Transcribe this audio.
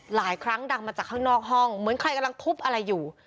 หลายครั้งดังมาจากข้างนอกห้องเหมือนใครกำลังทุบอะไรอยู่